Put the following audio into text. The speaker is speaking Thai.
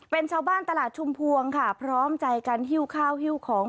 เป็นชาวบ้านตลาดชุมพวงค่ะพร้อมใจกันหิ้วข้าวหิ้วของ